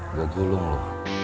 udah gulung lo